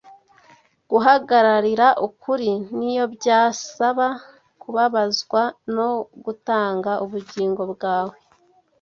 guhagararira ukuri n’iyo byasaba kubabazwa no gutanga ubugingo bwawe